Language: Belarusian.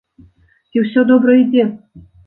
Ці ўсё добра ідзе?